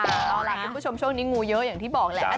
เอาล่ะคุณผู้ชมช่วงนี้งูเยอะอย่างที่บอกแหละ